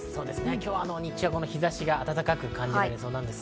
今日は日中、日差しが暖かく感じられそうです。